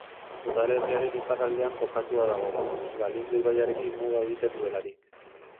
Udalerriaren iparraldean kokatua dago, Galindo ibaiarekin muga egiten duelarik.